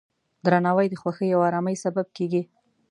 درناوی د خوښۍ او ارامۍ سبب کېږي.